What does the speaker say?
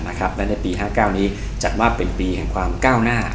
และในปี๕๙นี้จัดว่าเป็นปีแห่งความก้าวหน้า